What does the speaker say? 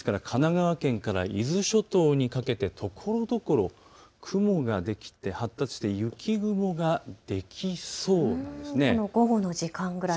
神奈川県から伊豆諸島にかけてところどころ雲ができて発達して雪雲ができそうです。